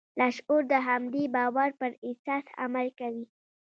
لاشعور د همدې باور پر اساس عمل کوي